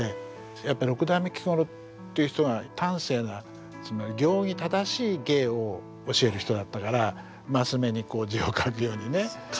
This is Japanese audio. やっぱり六代目菊五郎っていう人は端正な行儀正しい芸を教える人だったからマス目に字を書くようにね。